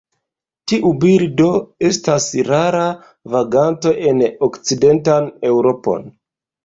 Tiu birdo estas rara vaganto en okcidentan Eŭropon.